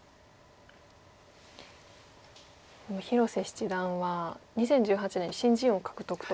広瀬七段は２０１８年に新人王を獲得と。